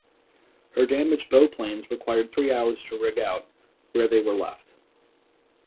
Her damaged bow planes required three hours to rig out, where they were left.